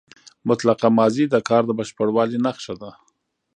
مطلقه ماضي د کار د بشپړوالي نخښه ده.